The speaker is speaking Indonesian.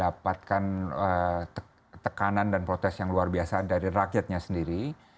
dapatkan tekanan dan protes yang luar biasa dari rakyatnya sendiri